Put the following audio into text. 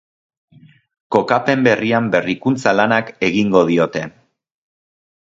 Kokapen berrian berrikuntza lanak egingo diote.